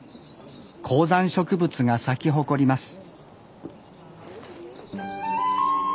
高山植物が咲き誇ります